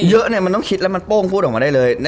เยอะมันต้องคิดแล้วมันโป้งพูดออกมาได้เลย